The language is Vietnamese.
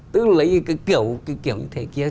tức là lấy kiểu như thế kia